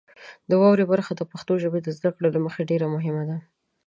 د واورئ برخه د پښتو ژبې د زده کړې له مخې ډیره مهمه ده.